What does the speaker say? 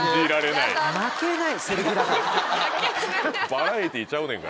バラエティーちゃうねんから。